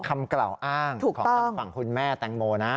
คำกล่าวอ้างของทางฝั่งคุณแม่แตงโมนะ